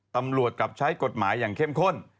ตำรวจกลับใช้กฎหมายอย่างเข้มข้น